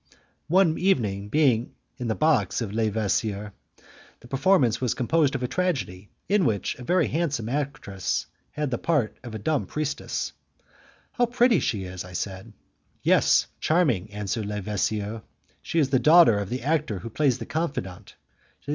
One evening, being in the box of Le Vasseur, the performance was composed of a tragedy in which a very handsome actress had the part of a dumb priestess. "How pretty she is!" I said. "Yes, charming," answered Le Vasseur, "She is the daughter of the actor who plays the confidant.